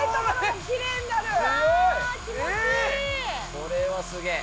これはすげぇ。